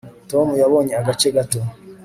tom yabonye agace gato